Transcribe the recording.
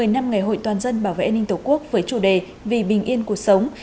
một mươi năm ngày hội toàn dân bảo vệ an ninh tổ quốc với chủ đề vì bình yên cuộc sống